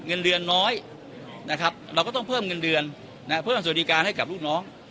เงินเดือนน้อยนะครับเราก็ต้องเพิ่มเงินเดือนเพิ่มสวัสดิการให้กับลูกน้อง